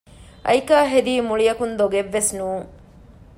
އައިކާ ހެދީ މުޅިއަކުން ދޮގެއްވެސް ނޫން